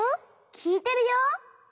きいてるよ。